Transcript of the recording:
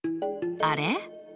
あれ？